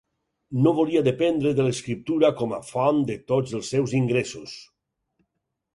No volia dependre de l'escriptura com a font de tots els seus ingressos.